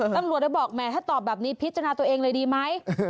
ตำรวจเลยบอกแหมถ้าตอบแบบนี้พิจารณาตัวเองเลยดีไหม